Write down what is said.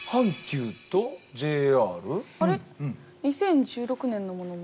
２０１６年のものも。